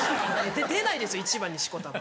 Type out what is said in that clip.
出ないですよ一番にしこたま。